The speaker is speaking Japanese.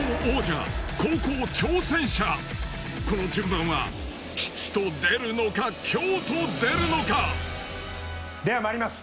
この順番は吉と出るのか凶と出るのかではまいります。